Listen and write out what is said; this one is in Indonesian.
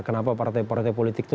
kenapa partai partai politik itu